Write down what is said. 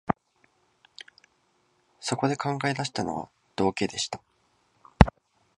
そこで考え出したのは、道化でした